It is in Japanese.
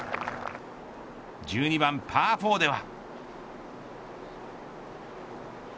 １２番パー４では。